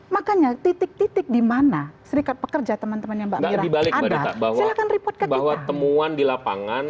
makanya titik titik dimana serikat pekerja teman temannya mbak ada bahwa temuan di lapangan